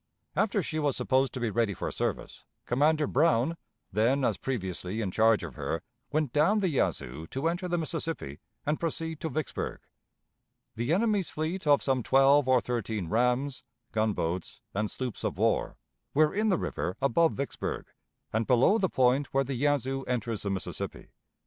After she was supposed to be ready for service, Commander Brown, then as previously in charge of her, went down the Yazoo to enter the Mississippi and proceed to Vicksburg. The enemy's fleet of some twelve or thirteen rams, gunboats, and sloops of war, were in the river above Vicksburg, and below the point where the Yazoo enters the Mississippi.